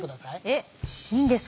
えっいいんですか。